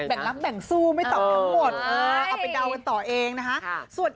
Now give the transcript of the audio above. แบ่งลับแบ่งซูเปิดก็ไม่ตอบทั้งหมด